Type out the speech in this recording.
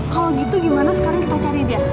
kalau gitu gimana sekarang kita cari dia